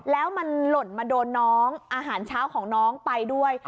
แล้วมันหล่นมาโดนน้องอาหารเช้าของน้องไปด้วย